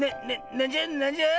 なんじゃなんじゃ？